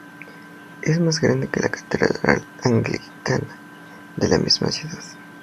Es más grande que la catedral anglicana de la misma ciudad.